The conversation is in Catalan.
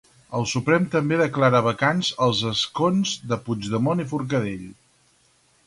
El Suprem també declara vacants els escons de Puigdemont i Forcadell.